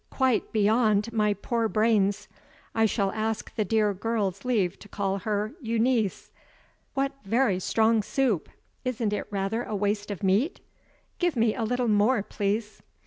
Quite beyond my poor brains! I shall ask the dear girl's leave to call her Euneece. What very strong soup! Isn't it rather a waste of meat? Give me a little more, please."